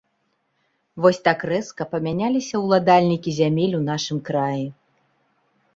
Вось так рэзка памяняліся ўладальнікі зямель у нашым краі.